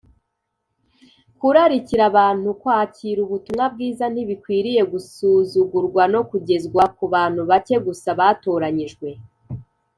Kurarikira abantu kwakira ubutumwa bwiza ntibikwiriye gusuzugurwa no kugezwa ku bantu bake gusa batoranyijwe,